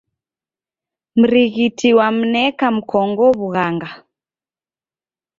Mrighiti wamneka mkongo w'ughanga.